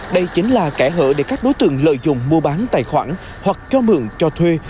đây chính là kẻ hở để các đối tượng lợi dụng mua bán tài khoản hoặc cho mượn cho thuê